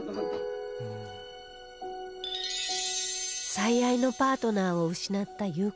最愛のパートナーを失った祐子師匠